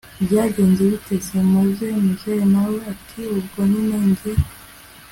byagenze bite se muze!? muzehe nawe ati ubwo nyine njye